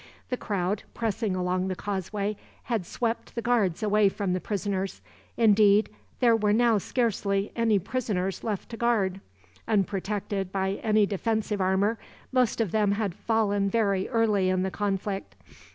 The crowd, pressing along the causeway, had swept the guards away from the prisoners indeed, there were now scarcely any prisoners left to guard. Unprotected by any defensive armor, most of them had fallen very early in the conflict.